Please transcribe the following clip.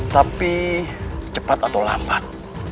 tapi cepat atau lambat